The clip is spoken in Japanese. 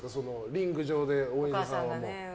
リング上で、大仁田さんは。